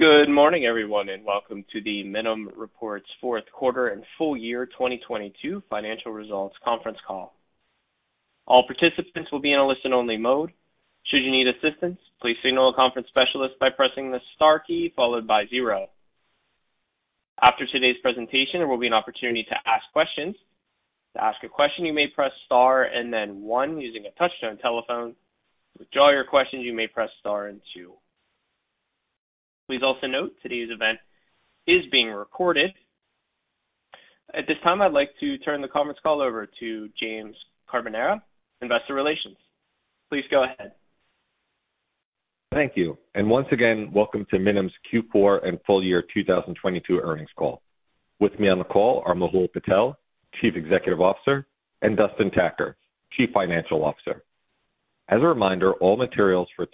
Good morning, everyone, and welcome to the Minim Reports Fourth Quarter and Full Year 2022 Financial Results Conference Call. All participants will be in a listen-only mode. Should you need assistance, please signal a conference specialist by pressing the star key followed by zero. After today's presentation, there will be an opportunity to ask questions. To ask a question, you may press star and then one using a touch-tone telephone. To withdraw your questions, you may press star and two. Please also note today's event is being recorded. At this time, I'd like to turn the conference call over to James Carbonara, Investor Relations. Please go ahead. Thank you. Once again, welcome to Minim's Q4 and Full Year 2022 Earnings Call. With me on the call are Mehul Patel, Chief Executive Officer, and Dustin Tacker, Chief Financial Officer. As a reminder, all materials for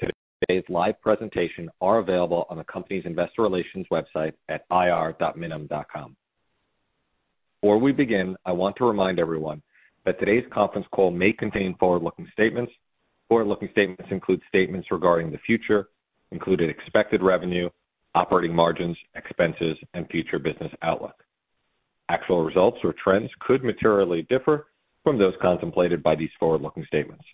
today's live presentation are available on the company's Investor Relations website at ir.minim.com. Before we begin, I want to remind everyone that today's conference call may contain forward-looking statements. Forward-looking statements include statements regarding the future, including expected revenue, operating margins, expenses, and future business outlook. Actual results or trends could materially differ from those contemplated by these forward-looking statements.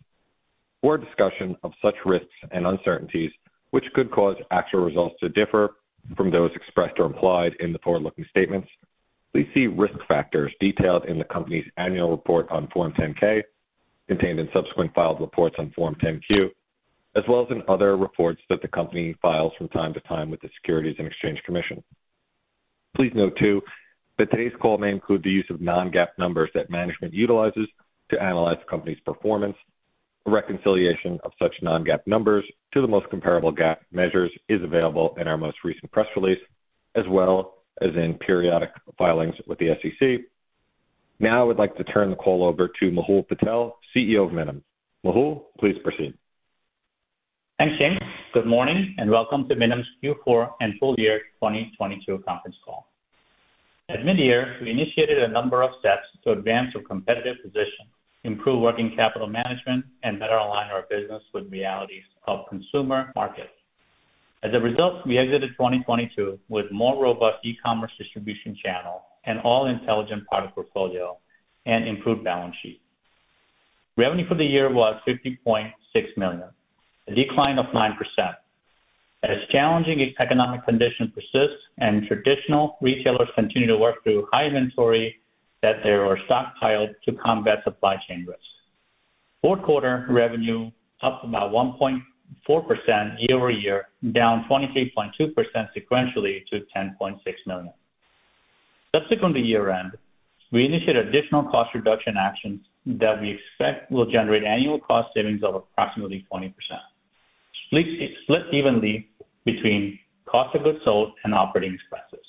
For a discussion of such risks and uncertainties which could cause actual results to differ from those expressed or implied in the forward-looking statements, please see risk factors detailed in the company's annual report on Form 10-K, contained in subsequent filed reports on Form 10-Q, as well as in other reports that the company files from time to time with the Securities and Exchange Commission. Please note, too, that today's call may include the use of non-GAAP numbers that management utilizes to analyze the company's performance. A reconciliation of such non-GAAP numbers to the most comparable GAAP measures is available in our most recent press release, as well as in periodic filings with the SEC. Now I would like to turn the call over to Mehul Patel, CEO of Minim. Mehul, please proceed. Thanks, James. Good morning and welcome to Minim's Q4 and Full Year 2022 Conference Call. At mid-year, we initiated a number of steps to advance our competitive position, improve working capital management, and better align our business with realities of consumer markets. As a result, we exited 2022 with more robust e-commerce distribution channel and all-intelligent product portfolio and improved balance sheet. Revenue for the year was $50.6 million, a decline of 9% as challenging economic conditions persist and traditional retailers continue to work through high inventory that they were stockpiled to combat supply chain risks. Fourth quarter revenue up about 1.4% year-over-year, down 23.2% sequentially to $10.6 million. Stick on the year-end, we initiated additional cost reduction actions that we expect will generate annual cost savings of approximately 20%, split evenly between cost of goods sold and operating expenses.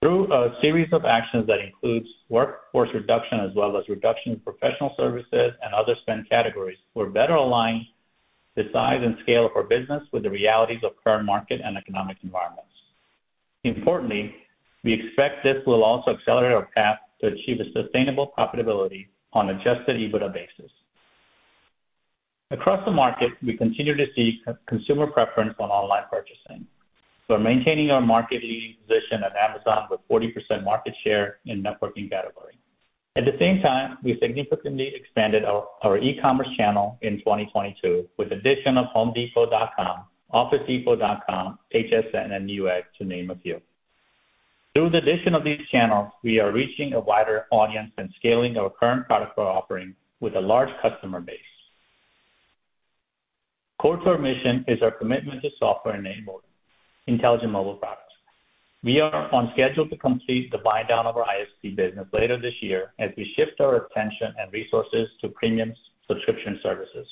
Through a series of actions that includes workforce reduction as well as reduction in professional services and other spend categories, we're better aligned the size and scale of our business with the realities of current market and economic environments. Importantly, we expect this will also accelerate our path to achieve a sustainable profitability on adjusted EBITDA basis. Across the market, we continue to see consumer preference on online purchasing. We're maintaining our market-leading position at Amazon with 40% market share in networking category. At the same time, we significantly expanded our e-commerce channel in 2022 with addition of homedepot.com, officedepot.com, HUNSN, and Newegg to name a few. Through the addition of these channels, we are reaching a wider audience and scaling our current product offering with a large customer base. Core to our mission is our commitment to software-enabled intelligent mobile products. We are on schedule to complete the buy-down of our ISP business later this year as we shift our attention and resources to premium subscription services.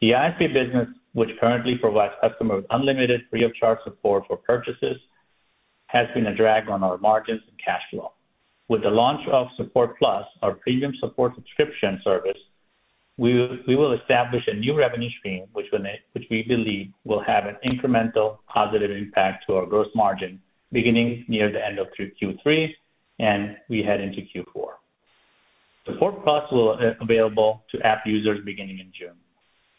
The ISP business, which currently provides customers with unlimited free of charge support for purchases, has been a drag on our margins and cash flow. With the launch of Support+, our premium support subscription service, we will establish a new revenue stream which we believe will have an incremental positive impact to our gross margin beginning near the end of Q3, and we head into Q4. Support+ will available to app users beginning in June.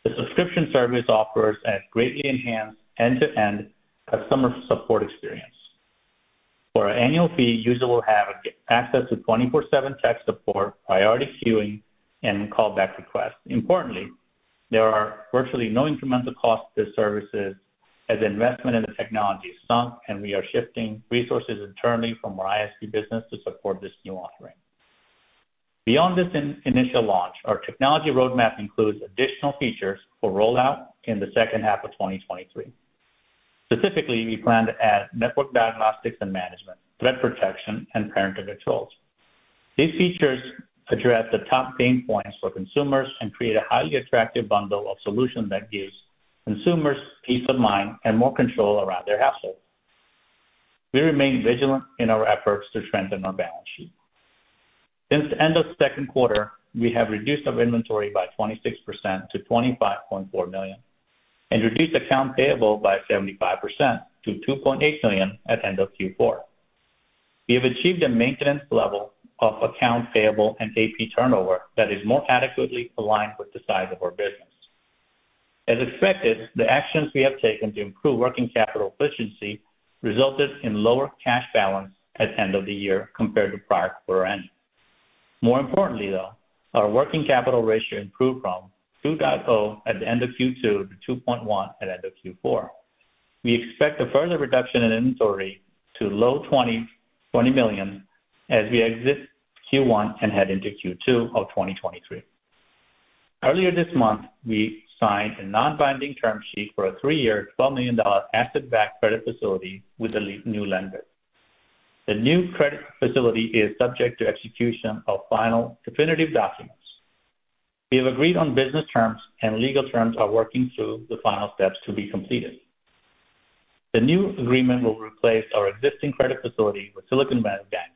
The subscription service offers a greatly enhanced end-to-end customer support experience. For an annual fee, user will have access to 24/7 tech support, priority queuing, and callback requests. Importantly, there are virtually no incremental cost to services as investment in the technology sunk, we are shifting resources internally from our ISP business to support this new offering. Beyond this initial launch, our technology roadmap includes additional features for rollout in the second half of 2023. Specifically, we plan to add network diagnostics and management, threat protection, and parental controls. These features address the top pain points for consumers and create a highly attractive bundle of solutions that gives consumers peace of mind and more control around their household. We remain vigilant in our efforts to strengthen our balance sheet. Since the end of second quarter, we have reduced our inventory by 26% to $25.4 million and reduced accounts payable by 75% to $2.8 million at end of Q4. We have achieved a maintenance level of accounts payable and AP turnover that is more adequately aligned with the size of our business. As expected, the actions we have taken to improve working capital efficiency resulted in lower cash balance at the end of the year compared to prior quarter ending. More importantly, though, our working capital ratio improved from 2.0 at the end of Q2 to 2.1 at end of Q4. We expect a further reduction in inventory to low 20, $20 million as we exit Q1 and head into Q2 of 2023. Earlier this month, we signed a non-binding term sheet for a three-year, $12 million asset-backed credit facility with a lead new lender. The new credit facility is subject to execution of final definitive documents. We have agreed on business terms, and legal terms are working through the final steps to be completed. The new agreement will replace our existing credit facility with Silicon Valley Bank.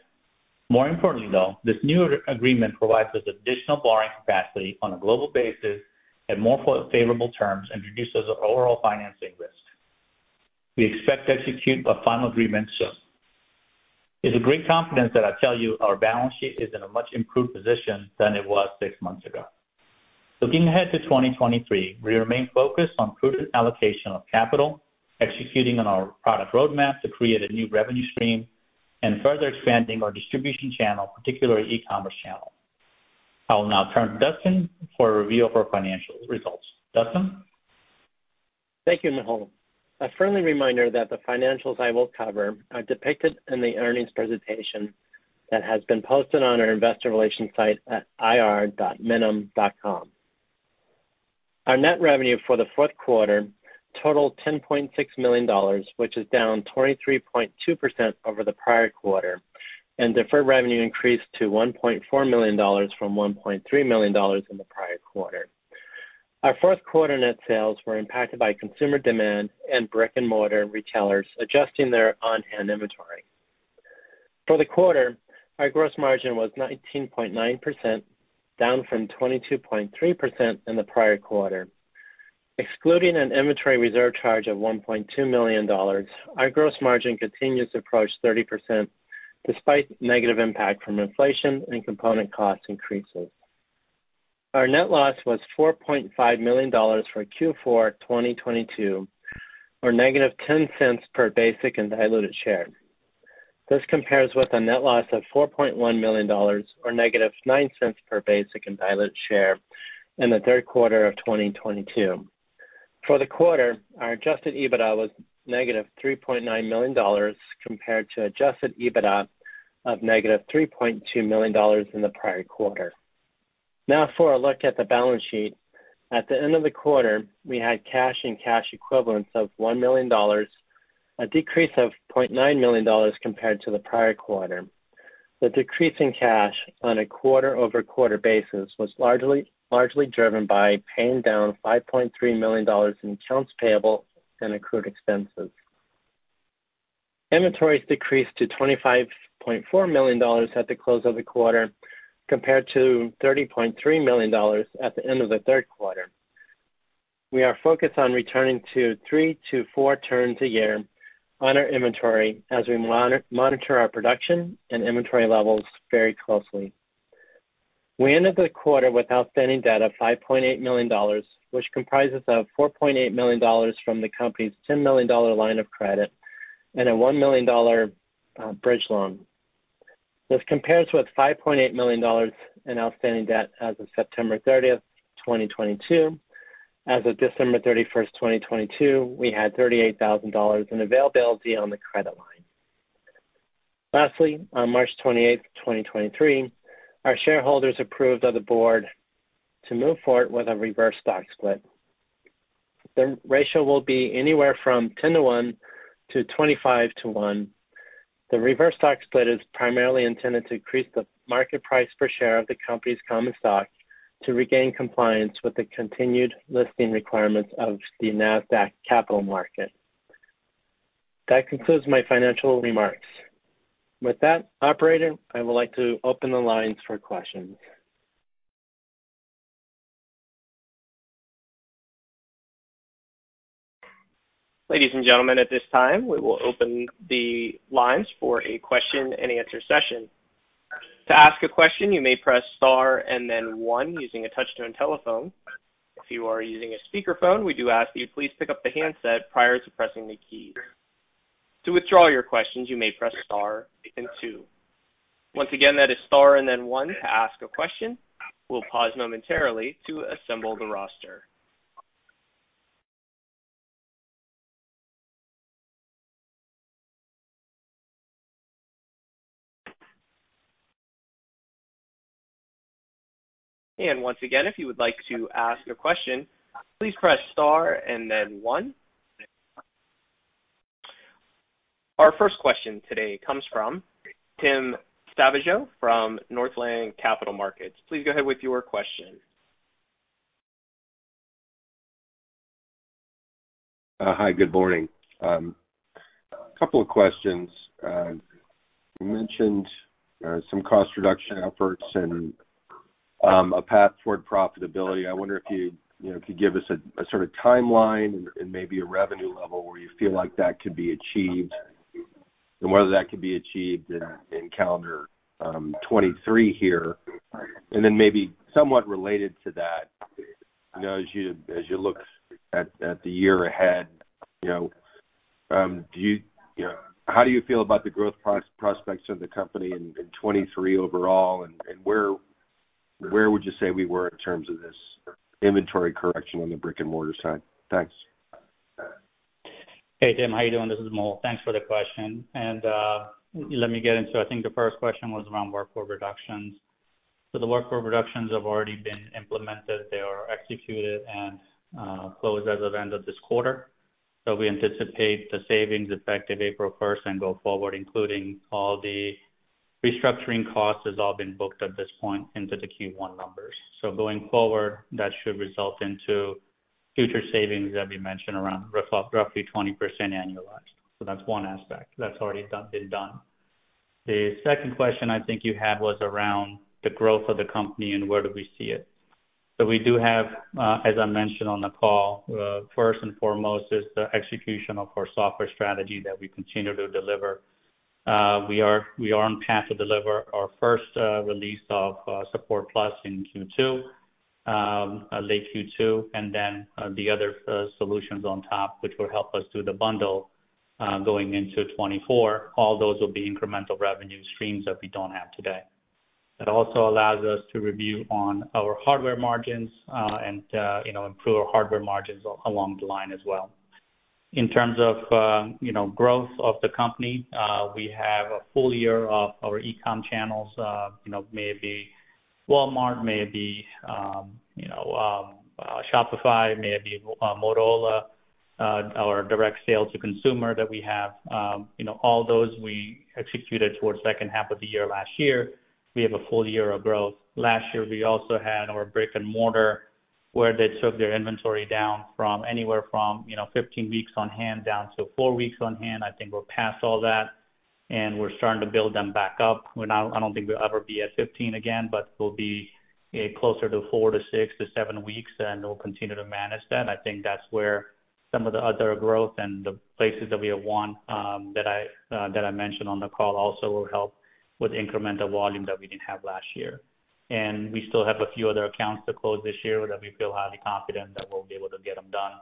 More importantly, though, this new agreement provides us additional borrowing capacity on a global basis at more favorable terms and reduces our overall financing risk. We expect to execute a final agreement soon. It's a great confidence that I tell you our balance sheet is in a much improved position than it was six months ago. Looking ahead to 2023, we remain focused on prudent allocation of capital, executing on our product roadmap to create a new revenue stream, and further expanding our distribution channel, particularly e-commerce channel. I will now turn to Dustin for a review of our financial results. Dustin? Thank you, Mehul. A friendly reminder that the financials I will cover are depicted in the earnings presentation that has been posted on our investor relations site at ir.minim.com. Our net revenue for the fourth quarter totaled $10.6 million, which is down 23.2% over the prior quarter, and deferred revenue increased to $1.4 million from $1.3 million in the prior quarter. Our fourth quarter net sales were impacted by consumer demand and brick-and-mortar retailers adjusting their on-hand inventory. For the quarter, our gross margin was 19.9%, down from 22.3% in the prior quarter. Excluding an inventory reserve charge of $1.2 million, our gross margin continues to approach 30% despite negative impact from inflation and component cost increases. Our net loss was $4.5 million for Q4 2022 or -$0.10 per basic and diluted share. This compares with a net loss of $4.1 million or -$0.09 per basic and diluted share in the third quarter of 2022. For the quarter, our Adjusted EBITDA was -$3.9 million compared to Adjusted EBITDA of -$3.2 million in the prior quarter. For a look at the balance sheet. At the end of the quarter, we had cash and cash equivalents of $1 million, a decrease of $0.9 million compared to the prior quarter. The decrease in cash on a quarter-over-quarter basis was largely driven by paying down $5.3 million in accounts payable and accrued expenses. Inventories decreased to $25.4 million at the close of the quarter compared to $30.3 million at the end of the third quarter. We are focused on returning to three to four turns a year on our inventory as we monitor our production and inventory levels very closely. We ended the quarter with outstanding debt of $5.8 million, which comprises of $4.8 million from the company's $10 million line of credit and a $1 million bridge loan. This compares with $5.8 million in outstanding debt as of September 30th, 2022. As of December 31st, 2022, we had $38,000 in availability on the credit line. Lastly, on March 28th, 2023, our shareholders approved of the board to move forward with a reverse stock split. The ratio will be anywhere from 10 to 1 to 25 to 1. The reverse stock split is primarily intended to increase the market price per share of the company's common stock to regain compliance with the continued listing requirements of the Nasdaq Capital Market. That concludes my financial remarks. With that, operator, I would like to open the lines for questions. Ladies and gentlemen, at this time, we will open the lines for a question-and-answer session. To ask a question, you may press star and then one using a touch-tone telephone. If you are using a speakerphone, we do ask you to please pick up the handset prior to pressing the key. To withdraw your questions, you may press star then two. Once again, that is star and then one to ask a question. We'll pause momentarily to assemble the roster. Once again, if you would like to ask a question, please press star and then one. Our first question today comes from Tim Savageaux from Northland Capital Markets. Please go ahead with your question. Hi, good morning. A couple of questions. You mentioned some cost reduction efforts and a path toward profitability. I wonder if you know, could give us a timeline and maybe a revenue level where you feel like that could be achieved and whether that could be achieved in calendar 2023 here. Then maybe somewhat related to that as you look at the year ahead how do you feel about the growth prospects of the company in 2023 overall and where would you say we were in terms of this inventory correction on the brick-and-mortar side? Thanks. Hey, Tim. How you doing? This is Mehul. Thanks for the question. Let me get into it. I think the first question was around workforce reductions. The workforce reductions have already been implemented. They are executed and closed as of end of this quarter. We anticipate the savings effective April first and go forward, including all the restructuring costs has all been booked at this point into the Q1 numbers. Going forward, that should result into future savings that we mentioned around roughly 20% annualized. That's one aspect that's already done, been done. The second question I think you had was around the growth of the company and where do we see it. We do have, as I mentioned on the call, first and foremost is the execution of our software strategy that we continue to deliver. We are on path to deliver our first release of Support+ in Q2, late Q2, the other solutions on top, which will help us do the bundle going into 2024. All those will be incremental revenue streams that we don't have today. That also allows us to review on our hardware margins, and improve our hardware margins along the line as well. In terms of growth of the company, we have a full year of our e-com channels. May it be Walmart, may it be Shopify, may it be Motorola, our direct sales to consumer that we have. All those we executed towards second half of the year last year. We have a full year of growth. Last year, we also had our brick-and-mortar where they took their inventory down from anywhere from, you know, 15 weeks on hand down to 4 weeks on hand. I think we're past all that, and we're starting to build them back up. I don't think we'll ever be at 15 again, but we'll be a closer to 4-6-7 weeks, and we'll continue to manage that. I think that's where some of the other growth and the places that we have won, that I mentioned on the call also will help with incremental volume that we didn't have last year. We still have a few other accounts to close this year that we feel highly confident that we'll be able to get them done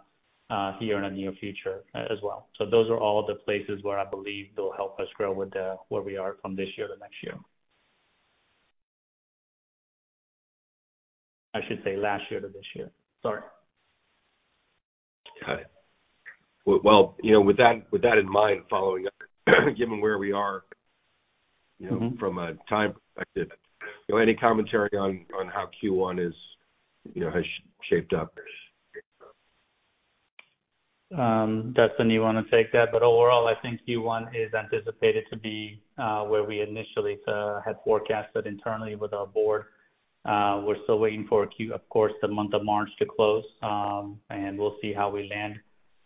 here in the near future as well. Those are all the places where I believe they'll help us grow with, where we are from this year to next year. I should say last year to this year. Sorry. Got it. Well, with that in mind, following up, given where we are from a time perspective any commentary on how Q1 is, you know, has shaped up? Dustin, you wanna take that? Overall, I think Q1 is anticipated to be where we initially had forecasted internally with our board. We're still waiting for, of course, the month of March to close, and we'll see how we land.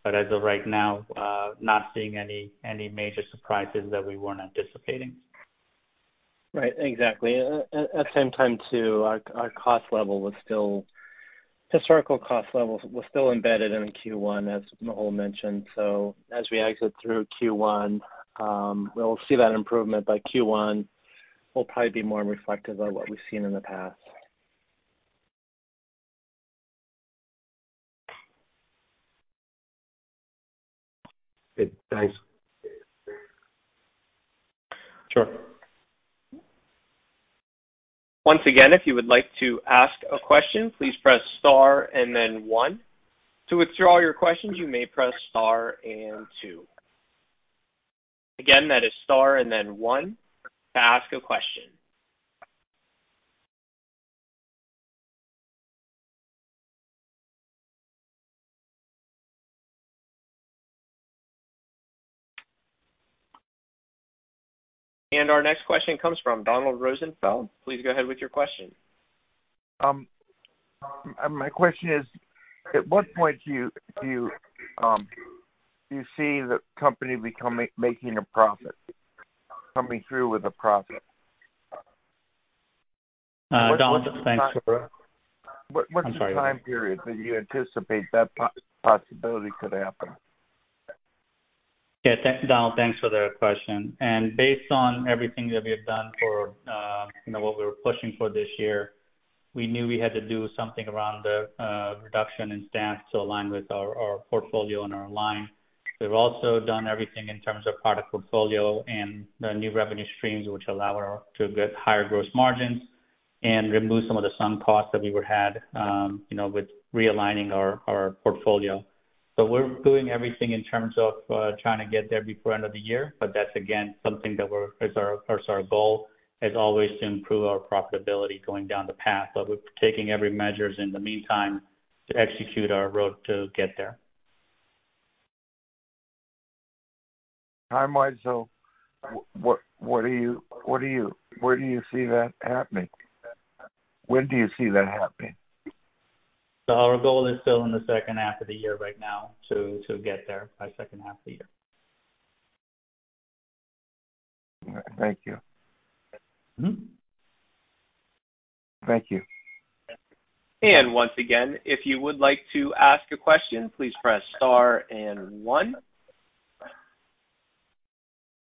As of right now, not seeing any major surprises that we weren't anticipating. Right. Exactly. At that same time too, Historical cost levels were still embedded in Q1, as Mehul mentioned. As we exit through Q1, we'll see that improvement, but Q1 will probably be more reflective of what we've seen in the past. Good. Thanks. Once again, if you would like to ask a question, please press star and then one. To withdraw your questions, you may press star and two. Again, that is star and then one to ask a question. Our next question comes from Donald Rosenfeld. Please go ahead with your question. My question is, at what point do you see the company becoming, making a profit, coming through with a profit? What's the time period that you anticipate that possibility could happen? Thank you, Donald. Thanks for the question. Based on everything that we have done for, you know, what we were pushing for this year, we knew we had to do something around the reduction in staff to align with our portfolio and our line. We've also done everything in terms of product portfolio and the new revenue streams, which allow to get higher gross margins and remove some of the some costs that we would had, you know, with realigning our portfolio. We're doing everything in terms of trying to get there before end of the year. That's again, something that is our goal is always to improve our profitability going down the path. We're taking every measures in the meantime to execute our road to get there. Time wise, what are you where do you see that happening? When do you see that happening? Our goal is still in the second half of the year right now to get there by second half of the year. Thank you. Once again, if you would like to ask a question, please press star and one.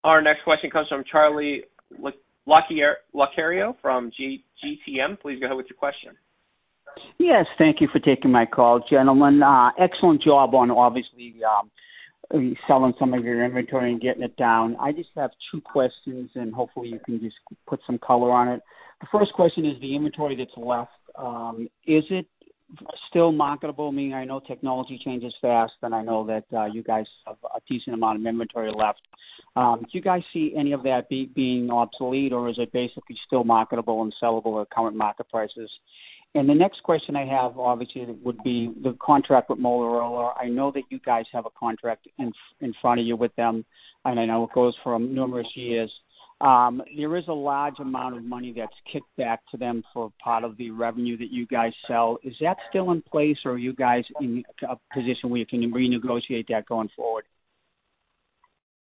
Our next question comes from Charlie Lacario from GTM. Please go ahead with your question. Yes, thank you for taking my call, gentlemen. Excellent job on obviously selling some of your inventory and getting it down. I just have two questions. Hopefully you can just put some color on it. The first question is the inventory that's left, is it still marketable? Meaning, I know technology changes fast. I know that you guys have a decent amount of inventory left. Do you guys see any of that being obsolete, or is it basically still marketable and sellable at current market prices? The next question I have, obviously, would be the contract with Motorola. I know that you guys have a contract in front of you with them. I know it goes for numerous years. There is a large amount of money that's kicked back to them for part of the revenue that you guys sell. Is that still in place or are you guys in a position where you can renegotiate that going forward?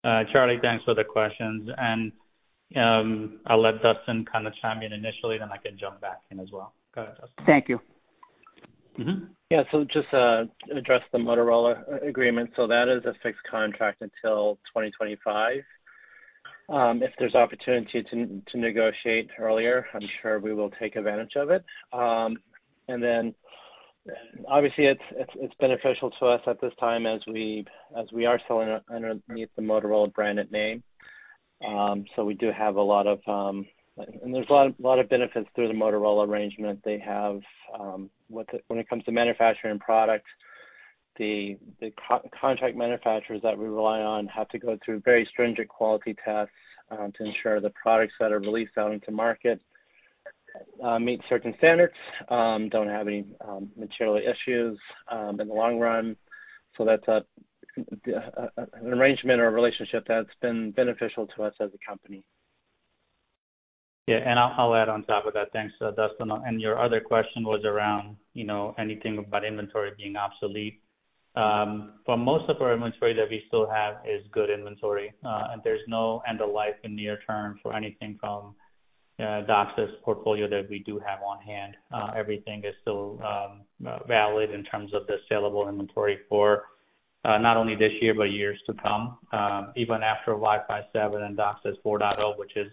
Charlie, thanks for the questions. I'll let Dustin kind of chime in initially, then I can jump back in as well. Go ahead, Dustin. Thank you. Just to address the Motorola agreement. That is a fixed contract until 2025. If there's opportunity to negotiate earlier, I'm sure we will take advantage of it. Obviously, it's beneficial to us at this time as we are selling underneath the Motorola branded name. We do have a lot of. There's a lot of benefits through the Motorola arrangement. They have when it comes to manufacturing products, the co-contract manufacturers that we rely on have to go through very stringent quality tests to ensure the products that are released out into market meet certain standards, don't have any material issues in the long run. That's an arrangement or a relationship that's been beneficial to us as a company. I'll add on top of that. Thanks, Dustin. Your other question was around, you know, anything about inventory being obsolete. For most of our inventory that we still have is good inventory. There's no end of life in near term for anything from DOCSIS portfolio that we do have on hand. Everything is still valid in terms of the sellable inventory for not only this year but years to come, even after Wi-Fi 7 and DOCSIS 4.0, which is,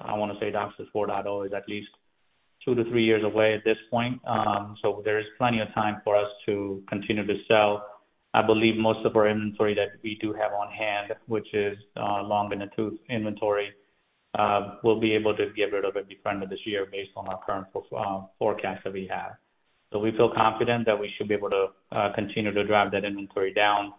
I wanna say DOCSIS 4.0 is at least 2 to 3 years away at this point. There is plenty of time for us to continue to sell. I believe most of our inventory that we do have on hand, which is, long in the tooth inventory, we'll be able to get rid of it before end of this year based on our current forecast that we have. We feel confident that we should be able to continue to drive that inventory down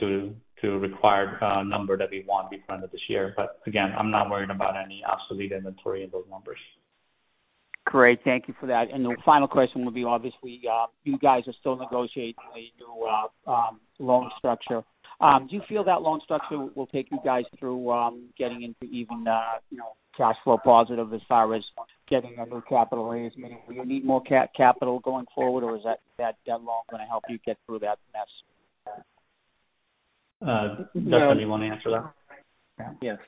to required number that we want before end of this year. Again, I'm not worried about any obsolete inventory in those numbers. Great. Thank you for that. The final question would be, obviously, you guys are still negotiating a new loan structure. Do you feel that loan structure will take you guys through, getting into even, you know, cash flow positive as far as getting a new capital raise? Meaning, will you need more capital going forward, or is that debt loan gonna help you get through that mess? Dustin, do you wanna answer that? Yes.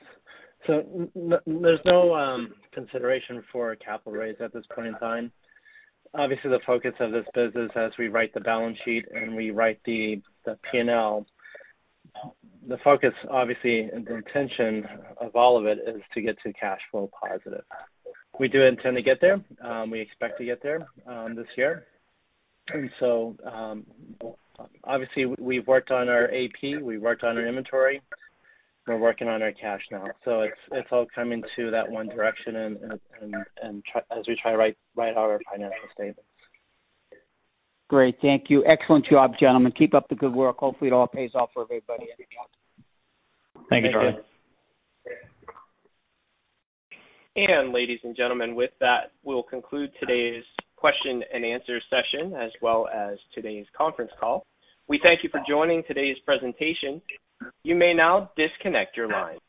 There's no consideration for a capital raise at this point in time. Obviously, the focus of this business as we write the balance sheet and we write the P&L. The focus, obviously, and the intention of all of it is to get to cash flow positive. We do intend to get there. We expect to get there this year. Obviously, we've worked on our AP, we worked on our inventory, we're working on our cash now. It's all coming to that one direction and as we try to write out our financial statements. Great. Thank you. Excellent job, gentlemen. Keep up the good work. Hopefully, it all pays off for everybody in the end. Thank you, Charlie. Ladies and gentlemen, with that, we'll conclude today's question-and-answer session, as well as today's conference call. We thank you for joining today's presentation. You may now disconnect your lines.